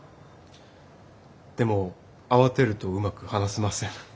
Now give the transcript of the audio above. でも慌てるとうまく話せません。